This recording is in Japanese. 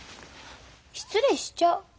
失礼しちゃう。